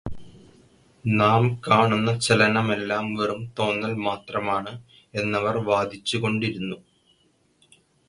നാം കാണുന്ന ചലനമെല്ലാം വെറും തോന്നൽ മാത്രമാണ് എന്നവർ വാദിച്ചുകൊണ്ടിരിന്നു.